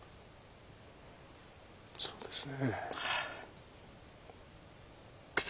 そうですね。